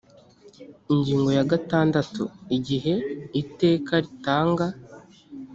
ingingo ya gatandatu igihe iteka ritanga